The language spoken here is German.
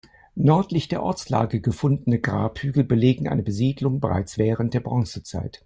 Nördlich der Ortslage gefundene Grabhügel belegen eine Besiedlung bereits während der Bronzezeit.